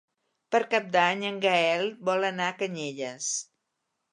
Per Cap d'Any en Gaël vol anar a Canyelles.